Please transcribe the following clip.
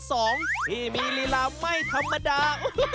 ที่มีลีลาไม่ธรรมดา